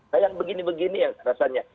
nah yang begini begini yang rasanya